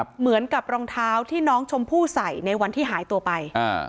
เหมือนกับรองเท้าที่น้องชมพู่ใส่ในวันที่หายตัวไปอ่า